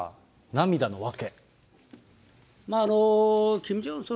涙の訳。